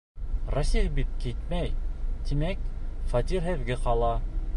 Рәсих бит китмәй, тимәк, фатир һеҙгә ҡала.